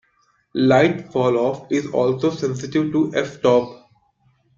Light falloff is also sensitive to f-stop.